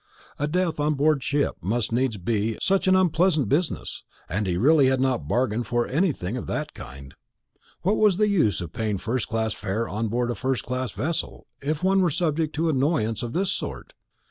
A death on board ship must needs be such an unpleasant business, and he really had not bargained for anything of that kind. What was the use of paying first class fare on board a first class vessel, if one were subject to annoyance of this sort?